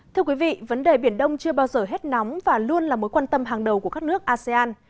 thưa quý vị vấn đề biển đông chưa bao giờ hết nóng và luôn là mối quan tâm hàng đầu của các nước asean